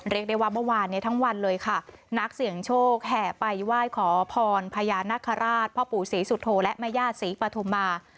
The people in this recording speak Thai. เรียกได้ว่าเมื่อวานเนี่ยทั้งวันเลยค่ะนักเสี่ยงโชคแห่ไปไหว้ขอพรพญานาคาราชพ่อปู่ศรีสุโธและแม่ญาติศรีปฐุมา